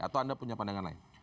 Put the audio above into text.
atau anda punya pandangan lain